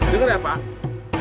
dengar ya pak